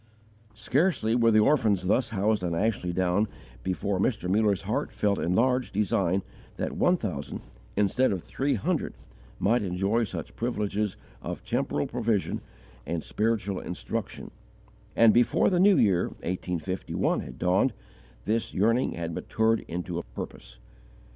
Scarcely were the orphans thus housed on Ashley Down, before Mr. Muller's heart felt enlarged desire that one thousand, instead of three hundred, might enjoy such privileges of temporal provision and spiritual instruction; and, before the new year, 1851, had dawned, this yearning had matured into a purpose.